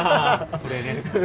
それね。